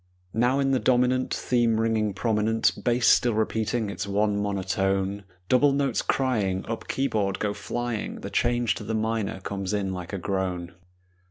Now in the dominant Theme ringing prominent, Bass still repeating its one monotone, Double notes crying, Up keyboard go flying, The change to the minor comes in like a groan.